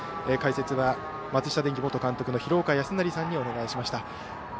解説は松下電器元監督の廣岡資生さんにお願いしました。